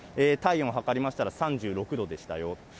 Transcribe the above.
体温測りましたら３６度でしたよ。